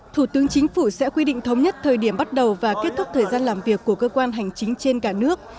thủ tướng chính phủ sẽ quy định thống nhất thời điểm bắt đầu và kết thúc thời gian làm việc của cơ quan hành chính trên cả nước